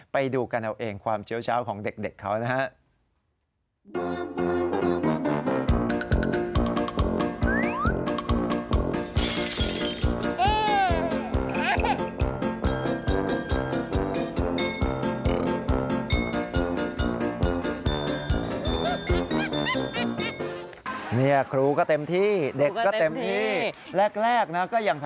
ไปดูกันเอาเองความเชี่ยวเช้าของเด็กเขานะฮะ